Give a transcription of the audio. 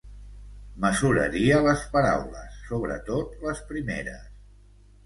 Mesuraria les paraules, sobretot les primeres.